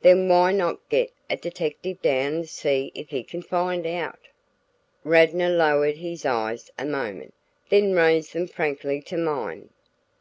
"Then why not get a detective down and see if he can't find out?" Radnor lowered his eyes a moment, then raised them frankly to mine.